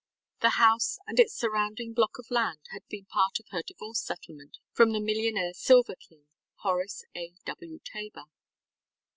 The house and its surrounding block of land had been part of her divorce settlement from the millionaire Silver King, Horace A. W. Tabor.